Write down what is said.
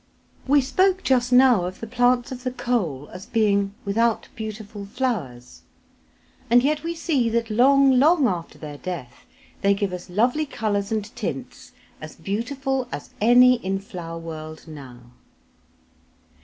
We spoke just now of the plants of the coal as being without beautiful flowers, and yet we see that long, long after their death they give us lovely colours and tints as beautiful as any in flower world now.